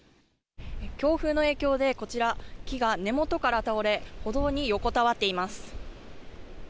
強風の影響でこちら、木が根元から倒れ、歩道に横たわっています。